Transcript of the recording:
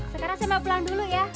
sekarang saya mau pulang dulu ya